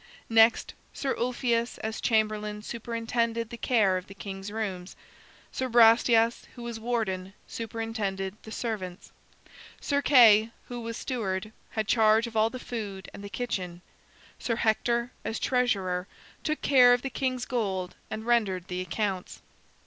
Next, Sir Ulfius as chamberlain superintended the care of the king's rooms. Sir Brastias, who was warden, superintended the servants. Sir Kay, who was steward, had charge of all the food and the kitchen. Sir Hector, as treasurer, took care of the king's gold and rendered the accounts.